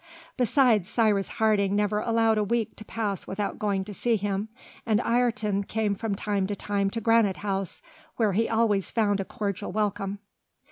Besides, Cyrus Harding never allowed a week to pass without going to see him, and Ayrton came from time to time to Granite House, where he always found a cordial welcome.